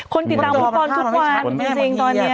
คนติดตามพวกบอลทุกวันมีสิ่งตอนเนี้ย